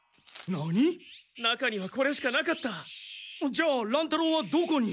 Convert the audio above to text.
じゃ乱太郎はどこに。